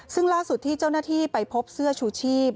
ซึ่งล่าสุดที่เจ้าหน้าที่ไปพบเสื้อชูชีพ